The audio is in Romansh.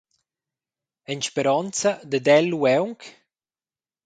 En speronza dad el lu aunc?